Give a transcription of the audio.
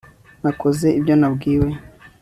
nakoze ibyo nabwiwe